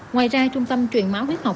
ngoài ra trung tâm truyền máu huyết học